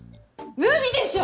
無理でしょ！